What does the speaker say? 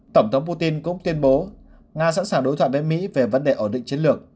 tổng thống putin cũng tuyên bố nga sẵn sàng đối thoại với mỹ về vấn đề ổn định chiến lược